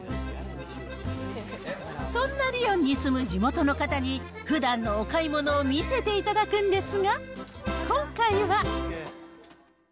そんなリヨンに住む地元の方に、ふだんのお買い物を見せていただくんですが、今回は。